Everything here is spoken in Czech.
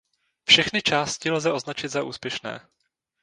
Všechny části lze označit za úspěšné.